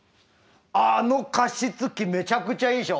あああの加湿器めちゃくちゃいいでしょ！